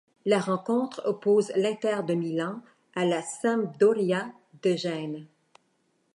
La rencontre oppose l'Inter de Milan à la Sampdoria de Gênes.